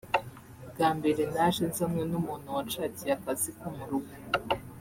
Bwa mbere naje nzanwe n’umuntu wanshakiye akazi ko mu rugo